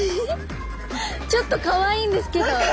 ちょっとかわいいんですけど。